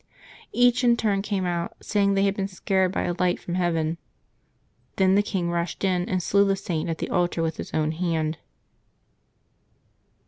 Each in turn came out, saying they had been scared by a light from heaven. Then the king rushed in and slew the Saint at the altar with his own hand.